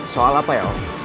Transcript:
soal apa ya om